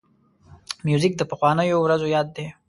موزیک د پخوانیو ورځو یاد دی.